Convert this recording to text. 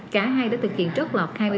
cả hai đã thực hiện trót lọt